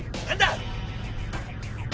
何だ！